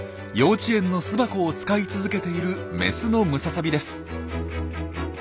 幼稚園の巣箱を使い続けているメスのムササビです。